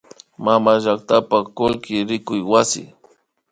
Mamallaktapa kullki rikuy wasi